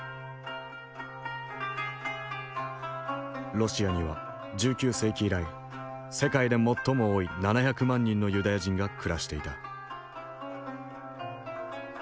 ロシアには１９世紀以来世界で最も多い７００万人のユダヤ人が暮らしていた。